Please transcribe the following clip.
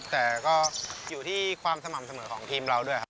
แต่ก็อยู่ที่ความสม่ำเสมอของทีมเราด้วยครับ